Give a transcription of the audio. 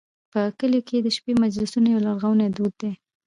په کلیو کې د شپې مجلسونه یو لرغونی دود دی.